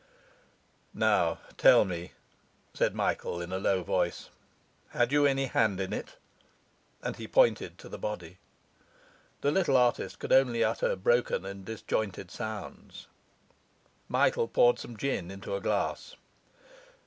'Now tell me,' said Michael, in a low voice: 'Had you any hand in it?' and he pointed to the body. The little artist could only utter broken and disjointed sounds. Michael poured some gin into a glass.